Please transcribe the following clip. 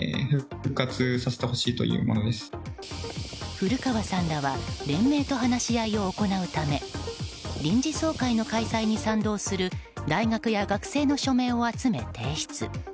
古川さんらは連盟と話し合いを行うため臨時総会の開催に賛同する大学や学生の署名を集め、提出。